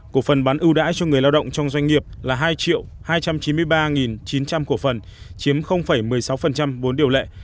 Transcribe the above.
cổ phần bán ưu đãi cho người lao động trong doanh nghiệp là hai hai trăm chín mươi ba chín trăm linh cổ phần chiếm một mươi sáu vốn điều lệ